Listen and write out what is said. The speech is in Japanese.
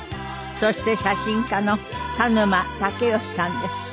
そして写真家の田沼武能さんです。